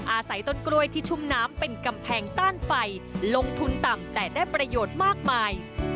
อาศัยต้นกล้วยที่ชุ่มน้ำเป็นกำแพงต้านไฟลงทุนต่ำแต่ได้ประโยชน์มากมาย